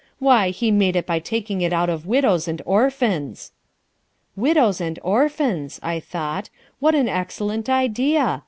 "Why he made it by taking it out of widows and orphans." Widows and orphans! I thought, what an excellent idea.